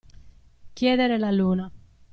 Chiedere la luna.